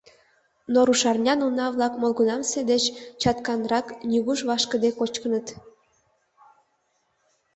Но рушарнян уна-влак молгунамсе деч чатканрак, нигуш вашкыде кочкыныт.